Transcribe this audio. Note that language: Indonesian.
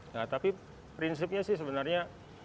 nah tapi prinsipnya sih sebenarnya